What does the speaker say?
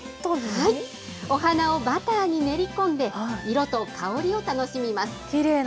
お花をバターに練り込んで、色と香りを楽しみます。